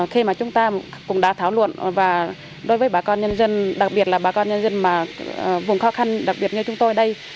khi mà chúng ta cũng đã thảo luận và đối với bà con nhân dân đặc biệt là bà con nhân dân vùng khó khăn đặc biệt như chúng tôi đây